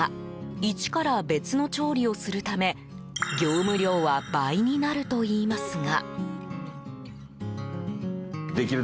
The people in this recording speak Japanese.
いちから別の調理をするため業務量は倍になるといいますが。